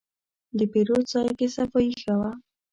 د پیرود ځای کې صفایي ښه وه.